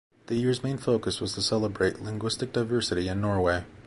The year's main focus was to celebrate linguistic diversity in Norway.